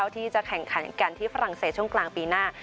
ที่จะแข่งขันกันที่ฝรั่งเศสช่วงกลางปีหน้า